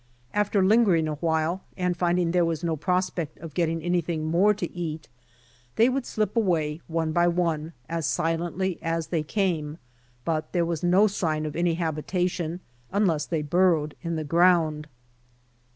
After lingering a while and finding there was no prospect of getting anything more toieat, they would slip away one by one as silently as they came, but there was no sign of any habitation, unless they burrowed in the ground.